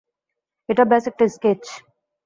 এটা ব্যস একটা স্কেচ।